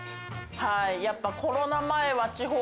はいやっぱコロナ前は。